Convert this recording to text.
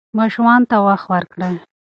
ماشوم ته وخت ورکړئ.